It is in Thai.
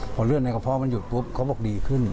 พอเลือดในกระเพาะมันหยุดปุ๊บเขาบอกดีขึ้น